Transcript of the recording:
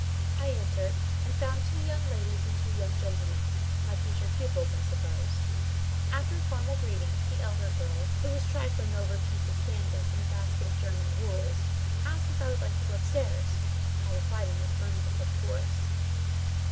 I entered, and found two young ladies and two young gentlemen—my future pupils, I supposed. After a formal greeting, the elder girl, who was trifling over a piece of canvas and a basket of German wools, asked if I should like to go upstairs. I replied in the affirmative, of course.